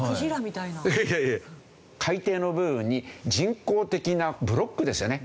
いやいや海底の部分に人工的なブロックですよね。